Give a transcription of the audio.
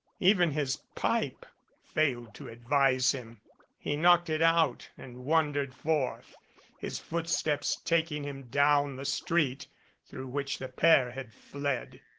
Even his pipe failed to advise him. He knocked it out and wandered forth, his footsteps taking him down the ! street through which the pair had fled.